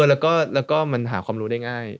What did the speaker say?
แล้วก็มันหาความรู้ได้ง่าย